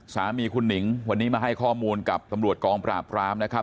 สามีคุณหนิงวันนี้มาให้ข้อมูลกับตำรวจกองปราบรามนะครับ